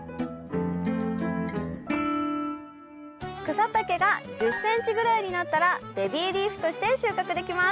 草丈が１０ｃｍぐらいになったらベビーリーフとして収穫できます。